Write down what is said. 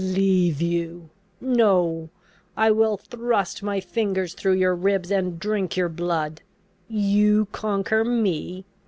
"Leave you! No: I will thrust my fingers through your ribs, and drink your blood! You conquer me?